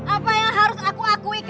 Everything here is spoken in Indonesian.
apa yang harus aku akui